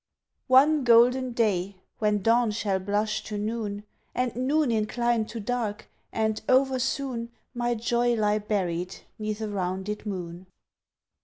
One golden day when dawn shall blush to noon And noon incline to dark, and, oversoon, My joy lie buried 'neath a rounded moon.